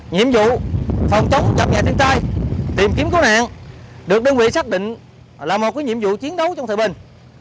nhiệm vụ phòng chống chậm nhẹ thiên tai tìm kiếm cứu nạn được đơn vị xác định là một nhiệm vụ chiến đấu trong thời bình